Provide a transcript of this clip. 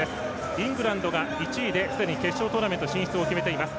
イングランドが１位ですでに決勝トーナメント進出を決めています。